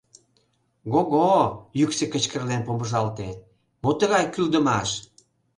— Го-го, — йӱксӧ кычкырлен помыжалте, — мо тыгай кӱлдымаш!